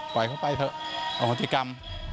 ปล่อยเขาไปเถอะอ่อนติกรรม